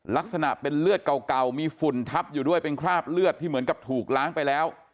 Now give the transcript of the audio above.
ลักษณะเป็นเลือดเก่ามีฝุ่นทับอยู่ด้วยเป็นคราบเลือดที่เหมือนกับถูกล้างไปแล้ว